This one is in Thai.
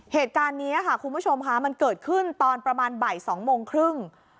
เหตุการณ์นี้ค่ะคุณผู้ชมค่ะมันเกิดขึ้นตอนประมาณบ่าย๒โมงครึ่ง